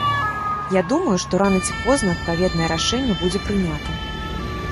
Я думаю, што рана ці позна адпаведнае рашэнне будзе прынята.